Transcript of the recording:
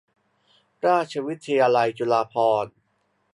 ราชวิทยาลัยจุฬาภรณ์